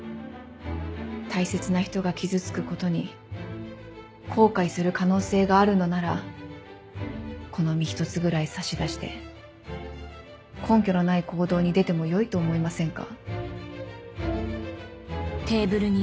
大切な人が傷つくことに後悔する可能性があるのならこの身一つぐらい差し出して根拠のない行動に出てもよいと思いませんか？